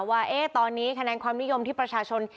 ว่าตอนนี้คะแนนความนิยมที่ประชาชน